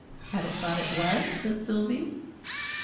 "Had it thought it was?" said Sylvie.